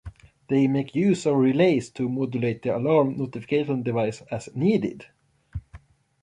They make use of relays to modulate the alarm notification device as needed.